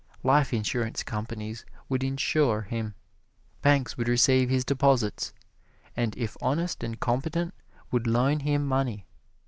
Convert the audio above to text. Life insurance companies would insure him, banks would receive his deposits, and if honest and competent, would loan him money.